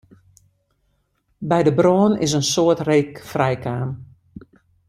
By de brân is in soad reek frijkaam.